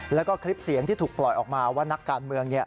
แล้วก็คลิปเสียงที่ถูกปล่อยออกมาว่านักการเมือง